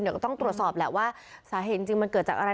เดี๋ยวก็ต้องตรวจสอบแหละว่าสาเหตุจริงมันเกิดจากอะไร